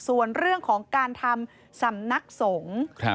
ส่วนเรื่องของการทำสำนักสงฆ์